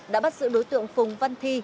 đã bắt giữ đối tượng phùng văn thi